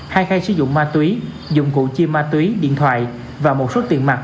hai khay sử dụng ma túy dụng cụ chi ma túy điện thoại và một số tiền mặt